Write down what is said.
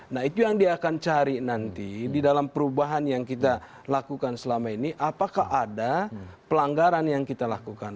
nah itu yang dia akan cari nanti di dalam perubahan yang kita lakukan selama ini apakah ada pelanggaran yang kita lakukan